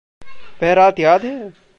वह रात याद है?